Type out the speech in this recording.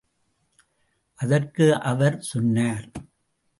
அதற்கு அவர் சொன்னார்.